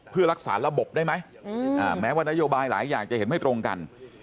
เพื่อรักษาระบบได้ไหมแม้ว่านโยบายหลายอย่างจะเห็นไม่ตรงกัน